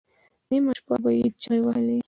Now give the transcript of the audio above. نیمه شپه به یې چیغې وهلې.